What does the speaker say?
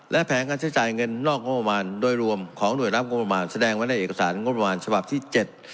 และแผนการใช้จ่ายเงินนอกงบประมาณโดยรวมของหน่วยรับงบประมาณแสดงไว้ในเอกสารงบประมาณฉบับที่เจ็ด